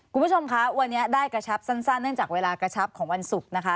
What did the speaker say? คุณผู้ชมคะวันนี้ได้กระชับสั้นเนื่องจากเวลากระชับของวันศุกร์นะคะ